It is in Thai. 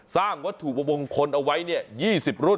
สร้างวัตถุบวงคลเอาไว้เนี่ย๒๐รุ่น